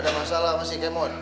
ada masalah sama si kemon